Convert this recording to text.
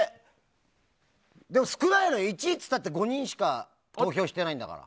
１位って言ったって、５人しか投票してないんだから。